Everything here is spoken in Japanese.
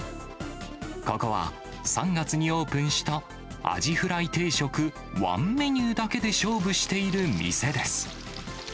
ここは、３月にオープンした、アジフライ定食、ワンメニューだけで勝負している店です。